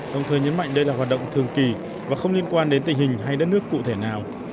đồng thời nhấn mạnh đây là hoạt động thường kỳ và không liên quan đến tình hình hay đất nước cụ thể nào